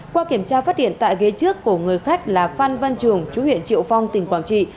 qua kiểm tra phát hiện tại ghế trước của người khách là phan văn trường chú huyện triệu phong tỉnh quảng trị